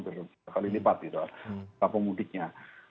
lebih dari dua kali lipat itu kapal mudiknya